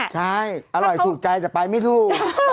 ใช่อร่อยถูกใจแต่ไปไม่ถูก